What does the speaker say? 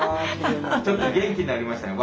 ちょっと元気になりましたね。